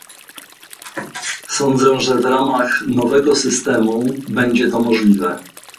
Sądzę, że w ramach nowego systemu będzie to możliwe